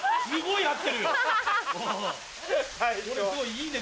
「いいね」